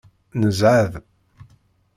Nezɛeḍ.